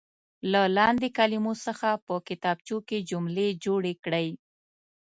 له لاندې کلمو څخه په کتابچو کې جملې جوړې کړئ.